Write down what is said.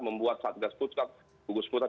membuat satgas pusat pugus pusat